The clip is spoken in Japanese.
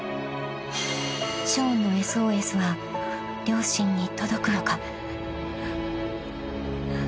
［ショーンのＳＯＳは両親に届くのか？］